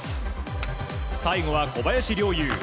最後は小林陵侑。